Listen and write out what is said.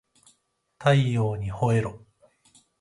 太陽にほえろ